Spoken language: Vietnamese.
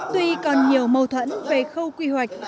tuy còn nhiều mâu thuẫn về khâu quy hoạch